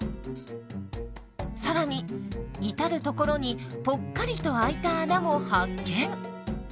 更に至る所にぽっかりと開いた穴も発見。